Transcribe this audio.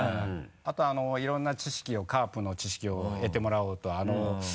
あといろんな知識をカープの知識を得てもらおうと。